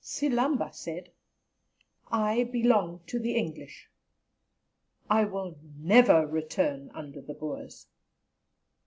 Silamba said: "I belong to the English. I will never return under the Boers.